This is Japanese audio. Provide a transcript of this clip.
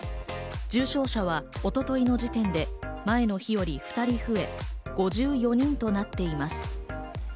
重症者は一昨日の時点で前の日より２人増え、５４人となっています。